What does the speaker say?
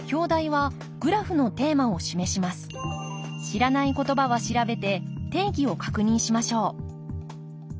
知らないことばは調べて定義を確認しましょう